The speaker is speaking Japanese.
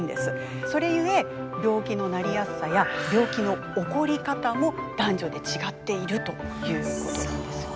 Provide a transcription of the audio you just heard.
それゆえ病気のなりやすさや病気の起こり方も男女で違っているということなんですよ。